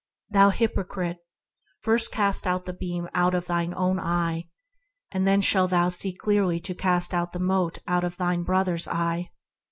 Thou hypocrite, first cast out the beam out of thine own eye; and then shalt thou see clearly to cast out the mote out of thy brother's eye."